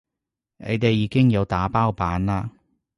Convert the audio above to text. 你哋已經有打包版啦